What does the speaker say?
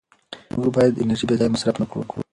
موږ باید انرژي بېځایه مصرف نه کړو